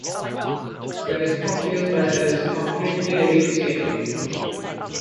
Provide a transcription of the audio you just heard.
There is no fish that is completely reef safe.